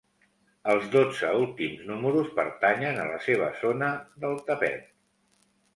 Els dotze últims números pertanyen a la seva zona del tapet.